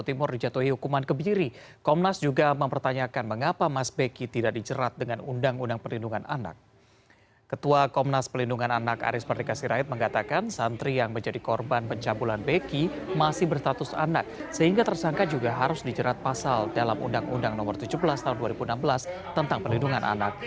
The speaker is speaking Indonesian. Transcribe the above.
di jerat pasal dalam undang undang no tujuh belas tahun dua ribu enam belas tentang pelindungan anak